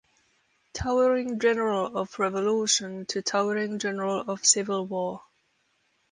Towering general of Revolution to towering general of Civil War.